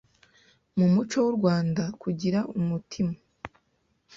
Mu muco w’u Rwanda, kugira umutima